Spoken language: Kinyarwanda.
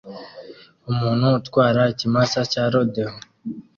Umuntu utwara ikimasa cya rodeo